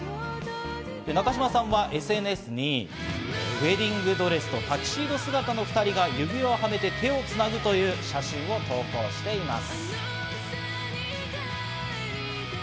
中島さんはＳＮＳに、ウエディングドレスとタキシード姿の２人が指輪をはめて、手をつなぐという写真を投稿しています。